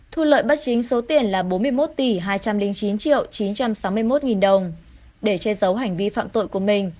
thu lợi bắt chính số tiền là bốn mươi một hai trăm linh chín chín trăm sáu mươi một đồng để che giấu hành vi phạm tội của mình